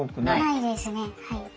ないですね。